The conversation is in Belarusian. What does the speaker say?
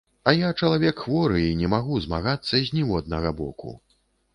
А я чалавек хворы і не магу змагацца з ніводнага боку.